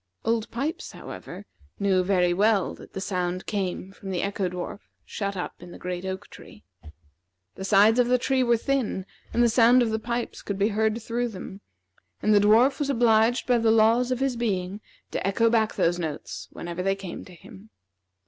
Old Pipes, however, knew very well that the sound came from the Echo dwarf shut up in the great oak tree. The sides of the tree were thin, and the sound of the pipes could be heard through them, and the dwarf was obliged by the laws of his being to echo back those notes whenever they came to him.